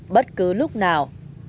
bất cứ lúc nào